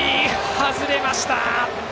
外れました。